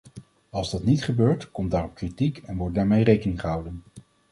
Als dat niet gebeurt, komt daarop kritiek en wordt daarmee rekening gehouden.